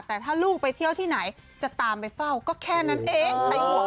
แต่ถ้าลูกไปเที่ยวที่ไหนจะตามไปเฝ้าก็แค่นั้นเอง